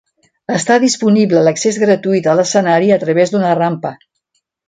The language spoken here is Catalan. Està disponible l'accés gratuït a l'escenari a través d'una rampa.